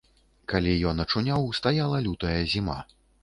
Калі ён ачуняў, стаяла лютая зіма.